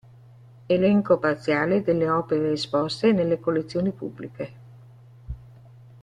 Elenco parziale delle opere esposte nelle collezioni pubbliche.